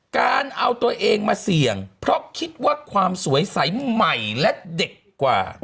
การเอาตัวเองมาเสี่ยงเพราะคิดว่าความสวยใสใหม่และเด็กกว่า